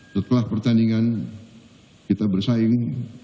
setelah pertandingan kita bersaing